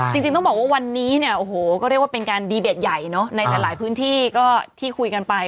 จริงต้องบอกว่าวันนี้เนี่ยโอ้โหก็เรียกว่าเป็นการดีเบตใหญ่เนอะในแต่หลายพื้นที่ก็ที่คุยกันไป